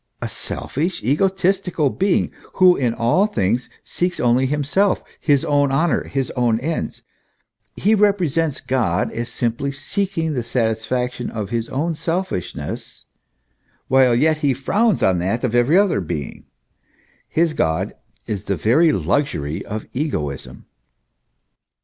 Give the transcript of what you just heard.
27 a selfish, egoistical being, who in all things seeks only Him self, his own honour, his own ends; he represents God as simply seeking the satisfaction of his own selfishness, while yet He frowns on that of every other being; his God is the very luxury of egoism.